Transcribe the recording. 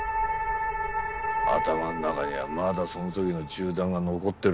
頭の中にはまだその時の銃弾が残ってるんだと。